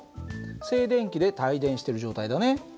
静電気で帯電してる状態だね。